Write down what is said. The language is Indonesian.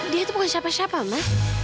dia itu bukan siapa siapa mas